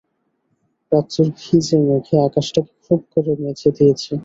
রাত্রের ভিজে মেঘে আকাশটাকে খুব করে মেজে দিয়েছে।